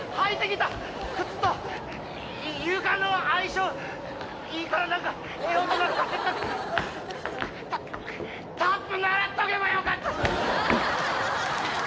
たっ、タップ習っとけばよかった。